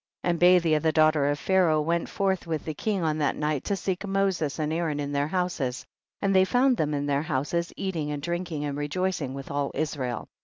49. And Bathia the daughter of THE BOOK OF JASHER. 241 Pharaoh* went forth with the king on that night to seek Moses and Aaron in their houses, and they found them in their houses, eating and drinking and rejoicing with all Is rael.